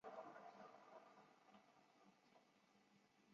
普斯陶莫诺什托尔。